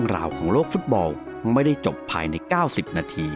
สวัสดีครับ